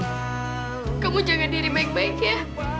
oh kamu jangan diri baik baik ya